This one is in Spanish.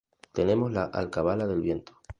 Tenemos la "Alcabala del Viento.